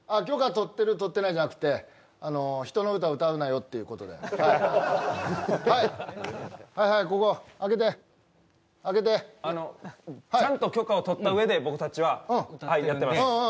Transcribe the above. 許可取ってる取ってないじゃなくて人の歌歌うなよっていうことではいはいはいここあけてあけてちゃんと許可を取った上で僕たちやってます